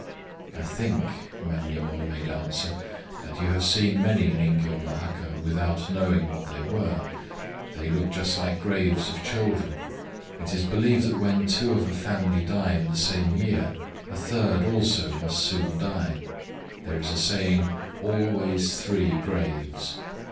"I think," Manyemon made answer, "that You have seen many ningyô no haka without knowing what they were;—they look just like graves of children. It is believed that when two of a family die in the same year, a third also must soon die. There is a saying, Always three graves.